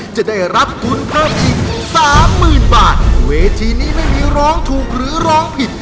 จะได้รับทุนเพิ่มอีกสามหมื่นบาทเวทีนี้ไม่มีร้องถูกหรือร้องผิด